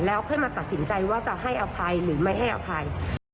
ค่อยมาตัดสินใจว่าจะให้อภัยหรือไม่ให้อภัย